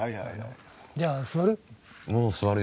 じゃあ座る？